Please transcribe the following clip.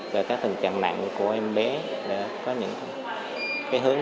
và các tình trạng nặng của em bé để có những hướng đi thật là rõ ràng